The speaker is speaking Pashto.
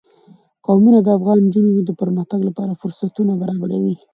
قومونه د افغان نجونو د پرمختګ لپاره فرصتونه برابروي.